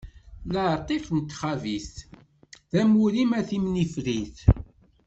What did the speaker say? Laɛtiq n txabit, d amur-im a timnifrit.